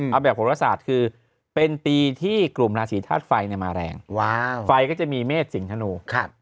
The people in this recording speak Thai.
เอาแบบโหรศาสตร์คือเป็นปีที่กลุ่มราศีธาตุไฟมาแรงไฟก็จะมีเมฆสิงธนู